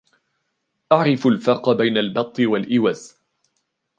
أعرف الفرق بين البط والإوز.